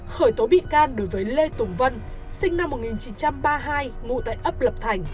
khởi tố bị can đối với lê tùng vân sinh năm một nghìn chín trăm ba mươi hai ngụ tại ấp lập thành